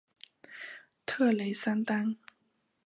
特雷桑当。